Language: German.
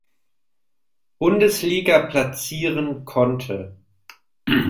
Bundesliga platzieren konnte.